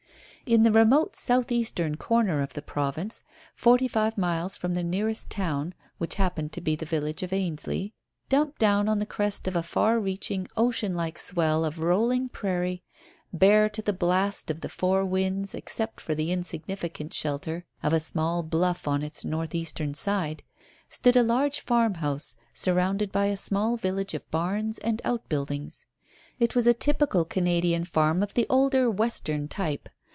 In the remote south eastern corner of the province, forty five miles from the nearest town which happened to be the village of Ainsley dumped down on the crest of a far reaching ocean like swell of rolling prairie, bare to the blast of the four winds except for the insignificant shelter of a small bluff on its northeastern side, stood a large farm house surrounded by a small village of barns and outbuildings. It was a typical Canadian farm of the older, western type.